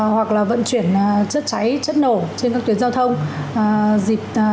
hoặc là vận chuyển chất cháy chất nổ trên các tuyến giao thông dịp